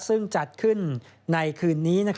ซึ่งจัดขึ้นในคืนนี้